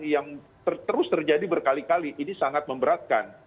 yang terus terjadi berkali kali ini sangat memberatkan